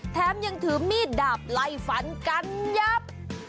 แถมยังถือมีดดาบไล่ฟันกันยับ